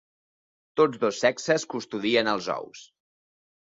Tots dos sexes custodien els ous.